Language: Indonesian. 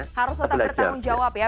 harus tetap bertanggung jawab ya